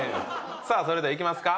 さあそれではいきますか？